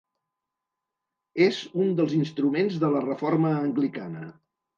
És un dels instruments de la Reforma Anglicana.